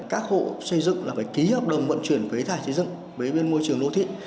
các hộ xây dựng phải ký hợp đồng vận chuyển phế thải xây dựng với môi trường đô thị